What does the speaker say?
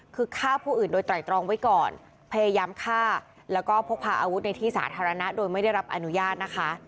คือฆ่าผู้อื่นโดยไตรตรองไว้ก่อนพยายามฆ่าแล้วก็พกพาอาวุธในที่สาธารณะโดยไม่ได้รับอนุญาตนะคะ